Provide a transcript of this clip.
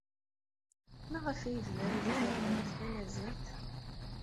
Maɣef ay bdant zerrwent tamaziɣt?